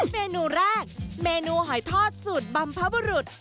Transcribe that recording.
เมนูแรกเมนูหอยทอดสูตรบรรพบุรุษ